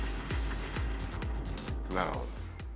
なるほど。